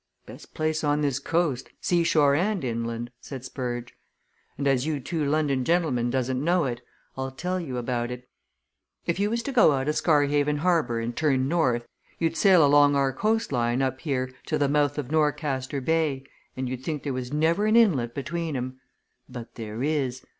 "Best place on this coast seashore and inland," said Spurge. "And as you two London gentlemen doesn't know it, I'll tell you about it. If you was to go out o' Scarhaven harbour and turn north, you'd sail along our coast line up here to the mouth of Norcaster Bay and you'd think there was never an inlet between 'em. But there is.